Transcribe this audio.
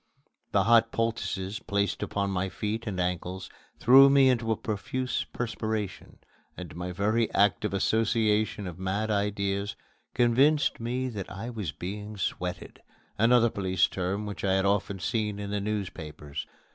The hot poultices placed upon my feet and ankles threw me into a profuse perspiration, and my very active association of mad ideas convinced me that I was being "sweated" another police term which I had often seen in the newspapers.